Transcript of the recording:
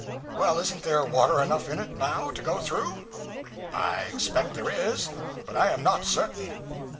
Well, isn't there water enough in it now to go through?' 'I expect there is, but I am not certain.'